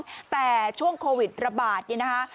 ตี๒แต่ช่วงโควิดระบาดเนี่ยนะฮะ